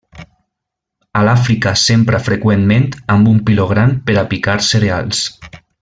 A l'Àfrica s'empra freqüentment amb un piló gran per a picar cereals.